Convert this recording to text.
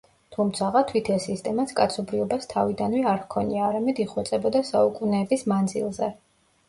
თუმცაღა თვით ეს სისტემაც კაცობრიობას თავიდანვე არ ჰქონია, არამედ იხვეწებოდა საუკუნეების მანძილზე.